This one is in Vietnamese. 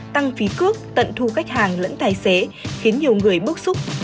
tăng phí cước tận thu khách hàng lẫn tài xế khiến nhiều người bức xúc